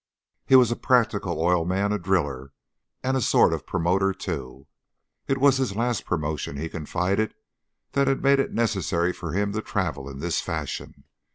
He was a practical oil man, a driller and a sort of promoter, too. It was his last promotion, he confided, that had made it necessary for him to travel in this fashion.